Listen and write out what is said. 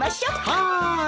はい！